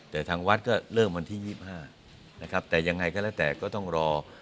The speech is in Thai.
แต่ทางวัดก็เริ่มวันที่๒๕นะครับแต่ยังไงก็แล้วแต่ก็ต้องรอ